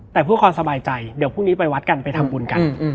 แต่เพื่อความสบายใจเดี๋ยวพรุ่งนี้ไปวัดกันไปทำบุญกัน